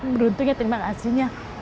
beruntungnya terima kasihnya